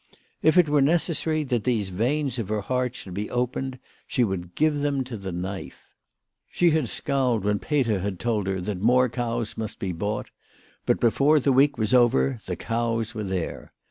If it were necessary that these veins of her heart should be opened, she would give them to the knife. She had scowled when Peter had told her that more cows must be bought ; but before the week was over the cows were there.